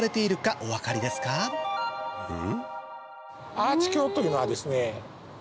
アーチ橋というのはですね